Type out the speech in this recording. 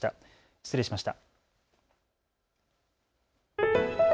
失礼しました。